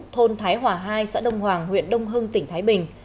thôn thái hòa hai xã đông hoàng huyện đông hưng tỉnh thái bình